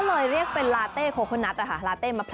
ก็เรียกเป็นโคกนัตลาเทลเป